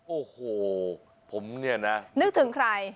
โอ้โหผมเนี่ยนะนึกถึงใคร